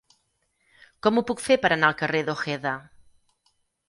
Com ho puc fer per anar al carrer d'Ojeda?